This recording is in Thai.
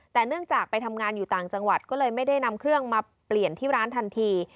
แต่เนื่องจากไปทำงานอยู่ต่างจังหวัดก็เลยไม่ได้นำเครื่องมาเปลี่ยนที่ร้านทันที